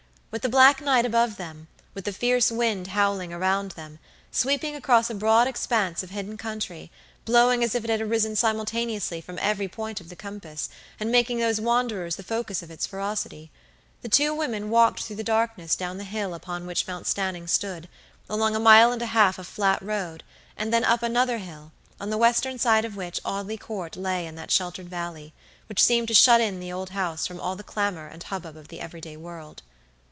With the black night above themwith the fierce wind howling around them, sweeping across a broad expanse of hidden country, blowing as if it had arisen simultaneously from every point of the compass, and making those wanderers the focus of its ferocitythe two women walked through the darkness down the hill upon which Mount Stanning stood, along a mile and a half of flat road, and then up another hill, on the western side of which Audley Court lay in that sheltered valley, which seemed to shut in the old house from all the clamor and hubbub of the everyday world.